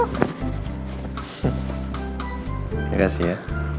terima kasih ya